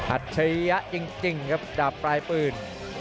ฉริยะจริงครับดาบปลายปืน